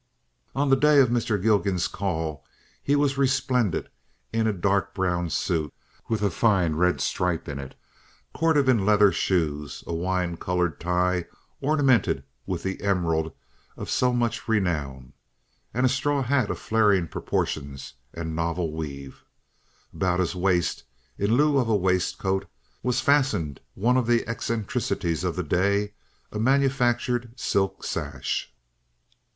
On the day of Mr. Gilgan's call he was resplendent in a dark brown suit with a fine red stripe in it, Cordovan leather shoes, a wine colored tie ornamented with the emerald of so much renown, and a straw hat of flaring proportions and novel weave. About his waist, in lieu of a waistcoat, was fastened one of the eccentricities of the day, a manufactured silk sash.